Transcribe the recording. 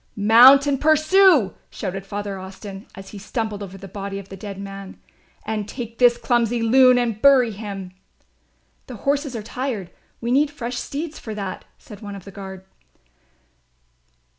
"Mount and pursue," shouted Father Austin, as he stumbled over the body of the dead man, "and take this clumsy loon and bury him." "The horses are tired, we need fresh steeds for that," said one of the guard.